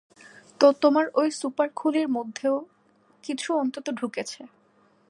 তো, তোমার ওই সুপার খুলির মধ্যে কিছু অন্তত ঢুকেছে।